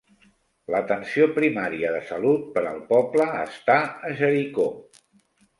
L'atenció primària de salut per al poble està a Jericó.